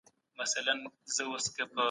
دولت باید د خصوصي سکتور ملاتړ وکړي.